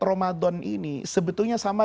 ramadan ini sebetulnya sama